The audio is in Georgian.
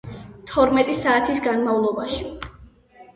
თორმეტი საათის განმავლობაში,